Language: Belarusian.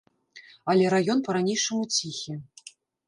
Але раён па-ранейшаму ціхі.